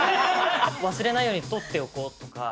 忘れないように録っておこうとか。